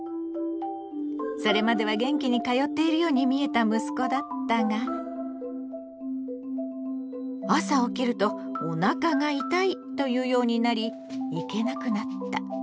それまでは元気に通っているように見えた息子だったが朝起きると「おなかが痛い」と言うようになり行けなくなった。